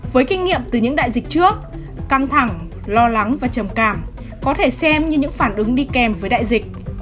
với kinh nghiệm từ những đại dịch trước căng thẳng lo lắng và trầm cảm có thể xem như những phản ứng đi kèm với đại dịch